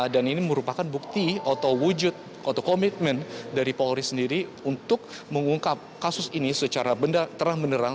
dan ini merupakan bukti atau wujud atau komitmen dari polri sendiri untuk mengungkap kasus ini secara benar benar